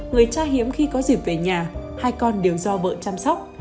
người cha hiếm khi có dịp về nhà hai con đều do vợ chăm sóc